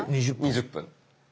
２０分。